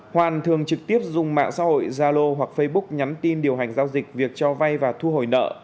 hoàn thường trực tiếp dùng mạng xã hội zalo hoặc facebook nhắn tin điều hành giao dịch việc cho vay và thu hồi nợ